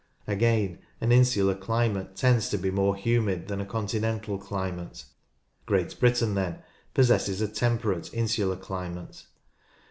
Again, an insular climate tends to be more humid than a continental climate. Great Britain, then, possesses a temperate insular climate.